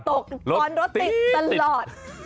ตอนรถติดตลอด